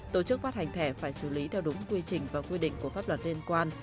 tổ chức phát hành thẻ phải xử lý theo đúng quy trình và quy định của pháp luật liên quan